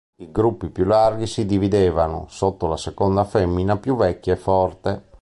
I gruppi più larghi si dividevano, sotto la seconda femmina più vecchia e forte.